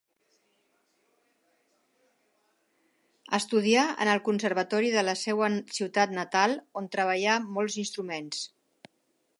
Estudià en el conservatori de la seva ciutat natal, on treballà molts instruments.